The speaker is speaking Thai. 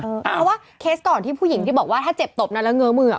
เพราะว่าเคสก่อนที่ผู้หญิงที่บอกว่าถ้าเจ็บตบนั้นแล้วเง้อมือ